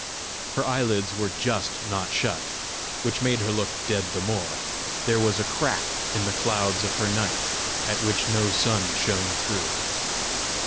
Her eyelids were just not shut, which made her look dead the more: there was a crack in the clouds of her night, at which no sun shone through!